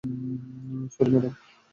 Sorry, madam.